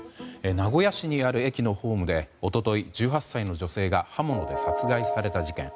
名古屋市にある駅のホームで一昨日、１８歳の女性が刃物で殺害された事件。